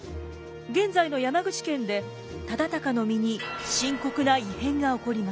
現在の山口県で忠敬の身に深刻な異変が起こります。